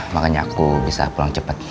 makanya aku bisa pulang cepat